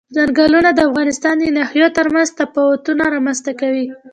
ځنګلونه د افغانستان د ناحیو ترمنځ تفاوتونه رامنځ ته کوي.